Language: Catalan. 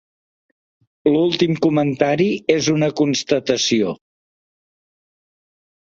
L'últim comentari és una constatació.